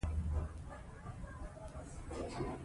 انسار سټلایټ کوای شي تر ملي متر حرکت په کال کې پیدا کړي